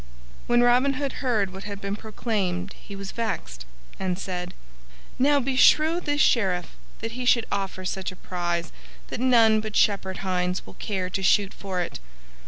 When Robin Hood heard what had been proclaimed he was vexed, and said, "Now beshrew this Sheriff that he should offer such a prize that none but shepherd hinds will care to shoot for it!